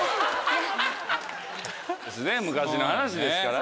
昔の話ですからね。